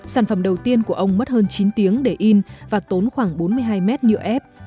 sản phẩm đầu tiên của ông mất hơn chín tiếng để in và tốn khoảng bốn mươi hai mét nhựa ép